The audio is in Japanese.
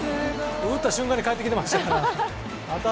打った瞬間に返ってきてました。